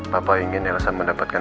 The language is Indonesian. papa ingin elsa mendapatkan